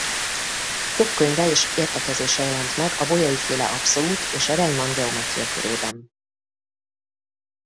Több könyve és értekezése jelent meg a Bolyai-féle abszolút- és a Riemann-geometria körében.